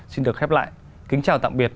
xin được khép lại kính chào tạm biệt